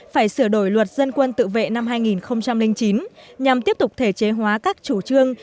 phải sửa đổi luật dân quân tự vệ năm hai nghìn chín nhằm tiếp tục thể chế hóa các chủ trương